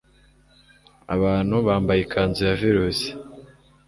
abantu bambaye ikanzu ya virusi